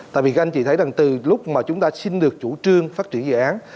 tại vì các anh chị thấy rằng từ lúc mà chúng ta xin được chủ trương phát triển dự án